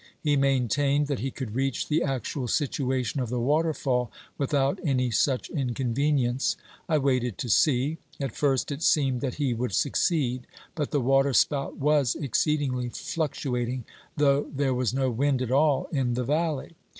He maintained that he could reach the actual situation of the waterfall without any such inconvenience. I waited to see ; at first it seemed that he would succeed, but the water spout was exceedingly fluctuating, though there was no wind at all in the valley.